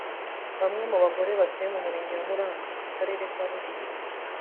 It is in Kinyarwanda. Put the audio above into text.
Bamwe mu bagore batuye mu murenge wa Murambi mu karere ka Rulindo